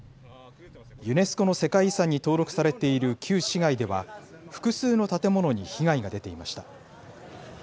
ユネスコの世界遺産に登録されている旧市街では、複数の建物に被害が出ていました。